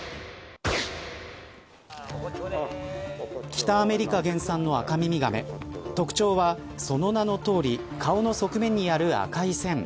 北アメリカ原産のアカミミガメ特徴はその名のとおり顔の側面にある赤い線。